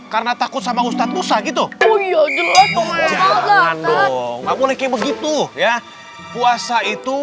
karena takut sama ustadz ustadz gitu jangan dong nggak boleh kayak begitu ya puasa itu